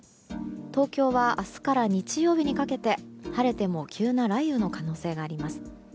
東京は明日から日曜日にかけて晴れても急な雷雨の可能性があります。